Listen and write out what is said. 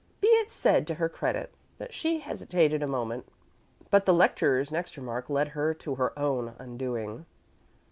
Be it said to her credit that she hesitated a moment; but the lecturer's next remark led to her own undoing.